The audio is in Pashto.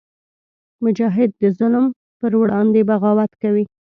مجاهد د ظلم پر وړاندې بغاوت کوي.